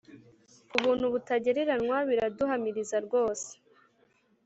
Kubuntu butagereranywa, biraduhumuriza rwose